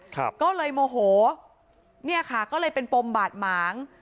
ก็เลยโมโหเนี่ยค่ะก็เลยเป็นปมบาดหมาง